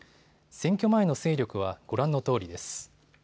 選挙前の勢力はご覧のとおりです。